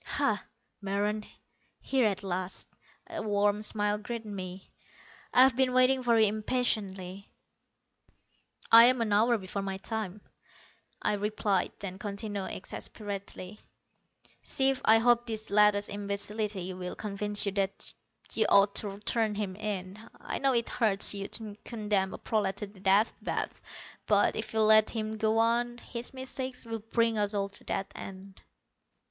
"Ha, Meron, here at last." A warm smile greeted me. "I've been waiting for you impatiently." "I'm an hour before my time," I replied, then continued, exasperatedly: "Chief, I hope this latest imbecility will convince you that you ought to turn him in. I know it hurts you to condemn a prolat to the Death Bath, but if you let him go on, his mistakes will bring us all to that end."